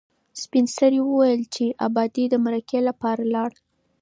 سپین سرې وویل چې ابا دې د مرکې لپاره لاړ.